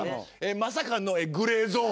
まさかのグレーゾーン。